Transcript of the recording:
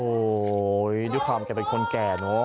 โอ้โหด้วยความแกเป็นคนแก่เนอะ